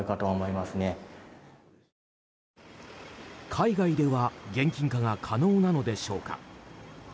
海外では現金化が可能なのでしょうか。